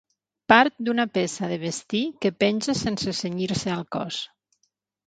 Part d'una peça de vestir que penja sense cenyir-se al cos.